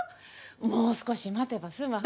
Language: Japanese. もう少し待てば済む話。